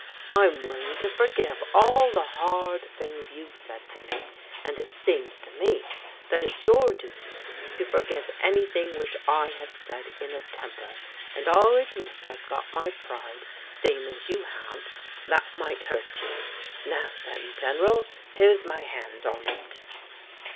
I'm willing to forgive all the hard things you've said to me, and it seems to me that it's your duty to forgive anything which I have said in a temper — ^and I'll admit I've got my pride same as you have — that might hurt you. Now then. General, here's my hand on it."